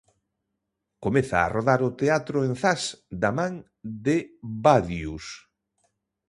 Comeza a rodar o teatro en Zas da man de Badius.